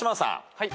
はい。